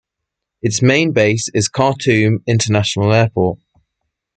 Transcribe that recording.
Its main base is Khartoum International Airport.